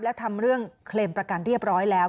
และทำเรื่องเคลมประกันเรียบร้อยแล้ว